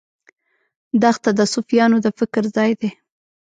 دښته د صوفیانو د فکر ځای دی.